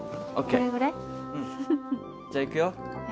じゃあいくよ。